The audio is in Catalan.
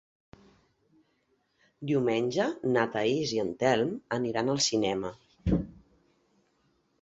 Diumenge na Thaís i en Telm aniran al cinema.